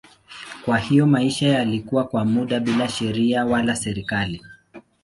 Kwa hiyo maisha yalikuwa kwa muda bila sheria wala serikali.